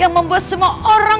minimal makeup bisa jadi pusing